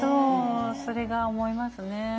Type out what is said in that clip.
それが思いますね。